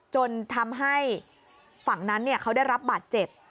จนทำให้ฝั่งนั้นเขาได้รับบาดเจ็บ